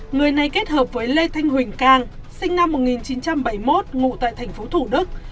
người này kết hợp với lê thanh huỳnh cang sinh năm một nghìn chín trăm bảy mươi một ngụ tại tp thủ đức